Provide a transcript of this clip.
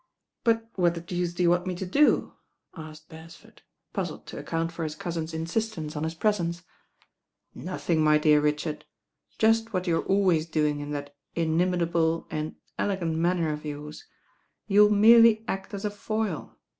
"But what the deuce do you want me to do?'? asked Beresford, puzzled to account for his cousin's insistence on his presence. "Nothing, ay dear Richard, just what you are always doing in that inimitable and elegant manner of yours. You will merely act as a foil.